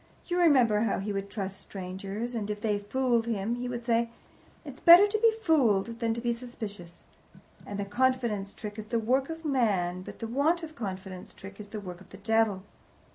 You remember how he would trust strangers, and if they fooled him he would say, 'It's better to be fooled than to be suspicious' that the confidence trick is the work of man, but the want of confidence trick is the work of the devil."